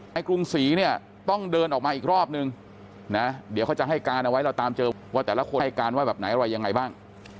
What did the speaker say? กรุงศรีเนี่ยต้องเดินออกมาอีกรอบนึงนะเดี๋ยวเขาจะให้การเอาไว้เราตามเจอว่าแต่ละคนให้การว่าแบบไหนอะไรยังไงบ้าง